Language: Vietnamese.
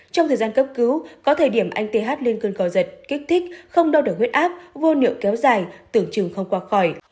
trong thời gian cấp cứu có thời điểm anh th lên cơn khói giật kích thích không đau đỡ huyết áp vô niệu kéo dài tưởng trường không qua khỏi